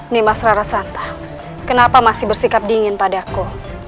nimas rara santan kenapa masih bersikap dingin pada aku